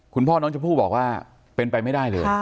คุณพ่อน้องชมพู่บอกว่าเป็นไปไม่ได้เลย